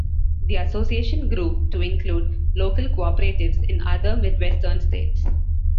The association grew to include local cooperatives in other Midwestern states.